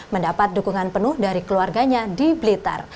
mendapat dukungan penuh dari keluarganya di blitar